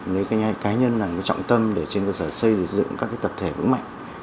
nếu cái cá nhân là trọng tâm để trên cơ sở xây dựng các tập thể vững mạnh